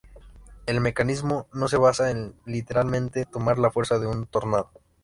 El mecanismo no se basa en literalmente tomar la fuerza de un tornado.